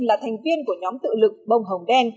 là thành viên của nhóm tự lực bông hồng đen